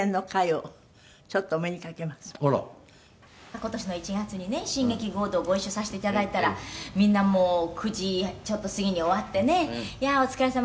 「今年の１月にね新劇合同ご一緒させて頂いたらみんなもう９時ちょっと過ぎに終わってね“いやーお疲れさま。